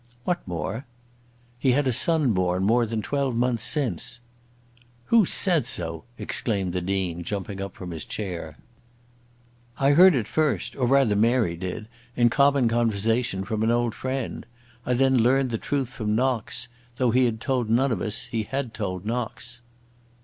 "What more?" "He had a son born more than twelve months since." "Who says so?" exclaimed the Dean, jumping up from his chair. "I heard it first, or rather Mary did, in common conversation, from an old friend. I then learned the truth from Knox. Though he had told none of us, he had told Knox."